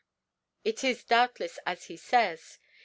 Indeed, it is doubtless as he says.